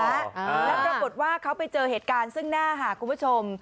แล้วปรากฏว่าเขาไปเจอเหตุการณ์ซึ่งหน้าค่ะคุณผู้ชม